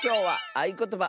「あいことば」。